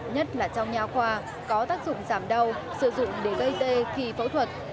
nhất là trong nhà khoa có tác dụng giảm đau sử dụng để gây dê khi phẫu thuật